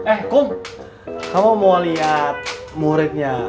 eh kum kamu mau liat muridnya